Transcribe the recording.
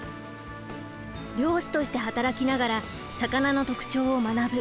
漁師として働きながら魚の特徴を学ぶ。